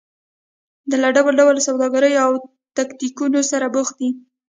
له ډول ډول سوداګریو او تاکتیکونو سره بوخت دي.